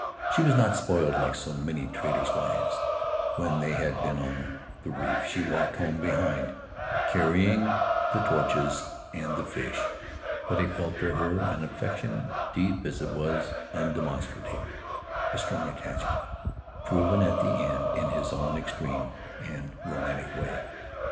She was not spoiled like so many traders' wives ; when they had been on the reef she walked home Faery Lands of the South Seas behind, carrying the torches and the fish — but he felt for her an affection deep as it was undemonstrative, a strong attachment, proven at the end in his own extreme and romantic way.